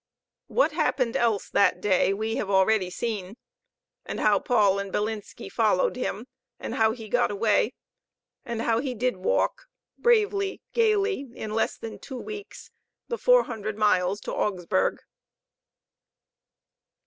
What happened else that day we have already seen, and how Paul and Bilinski followed him, and how he got away, and how he did walk, bravely, gayly, in less than two weeks the four hundred miles to Augsburg.